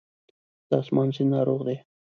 د آسمان سیند ناروغ دی